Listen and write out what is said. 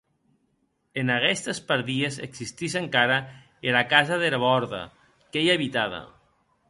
En aguestes pardies existís encara era casa dera bòrda, qu’ei abitada.